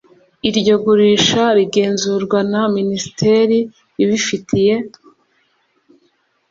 iryo gurisha rigenzurwa na minisiteri ibifitiye